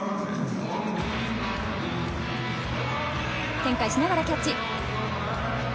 転回しながらキャッチ。